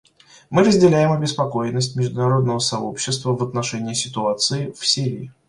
Мы разделяем обеспокоенность международного сообщества в отношении ситуации в Сирии.